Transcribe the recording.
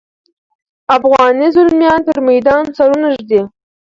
افغاني زلمیان پر میدان سرونه ږدي.